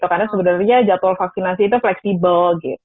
karena sebenarnya jadwal vaksinasi itu fleksibel